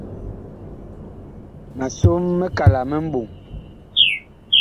Ma som mikala mi mɓɔŋ.